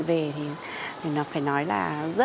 về thì phải nói là